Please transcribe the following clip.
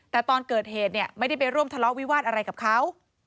แต่ตอนเกิดเหตุเนี่ยไม่ได้ไปร่วมทะเลาะวิวาสอะไรกับเขา